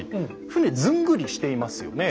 船ずんぐりしていますよね。